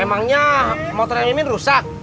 emangnya motornya mimin rusak